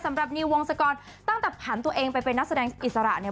สำหรับนิววงศกรตั้งแต่ผ่านตัวเองไปเป็นนักแสดงอิสระเนี่ย